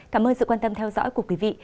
cảm ơn sự quan tâm theo dõi của quý vị